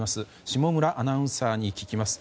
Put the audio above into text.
下村アナウンサーに聞きます。